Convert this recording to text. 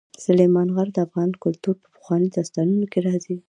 سلیمان غر د افغان کلتور په پخوانیو داستانونو کې راځي.